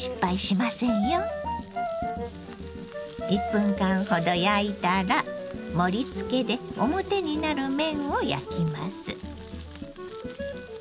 １分間ほど焼いたら盛りつけで表になる面を焼きます。